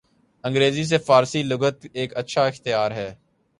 انگریزی سے فارسی لغت ایک اچھا اختیار ہے